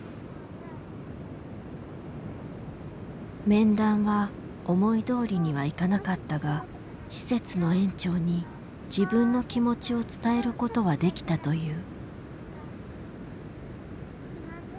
面談は思いどおりにはいかなかったが施設の園長に自分の気持ちを伝えることはできたという。